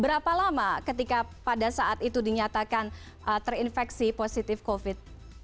berapa lama ketika pada saat itu dinyatakan terinfeksi positif covid